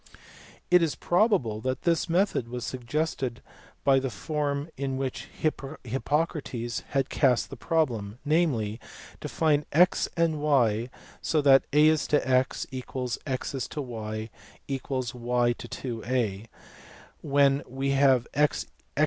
It is probable that this method was suggested by the form in which Hip pocrates had cast the problem : namely, to find x and y so that a : x x : y y : 2a, whence we have y?